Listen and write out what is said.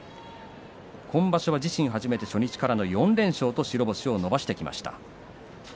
今場所自身初めて初日からの４連勝と白星を伸ばしてきました。